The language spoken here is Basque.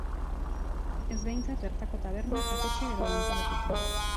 Ez behintzat bertako taberna, jatetxe edo dantzalekutan.